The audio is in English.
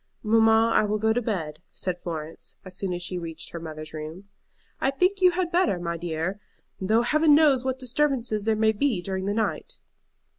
"Mamma, I will go to bed," said Florence, as soon as she reached her mother's room. "I think you had better, my dear, though Heaven knows what disturbances there may be during the night."